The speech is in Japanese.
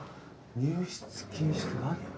入室禁止って何？